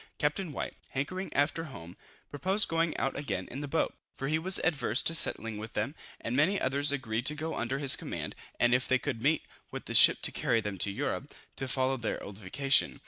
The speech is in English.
Captain White, hankering after home, proposed going out again in the boat; for he was adverse to settling with them; and many others agreed to go under his command; and if they could meet with a ship to carry them to Europe, to follow their old vocation.